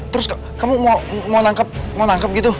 terus kamu mau mau nangkep mau nangkep gitu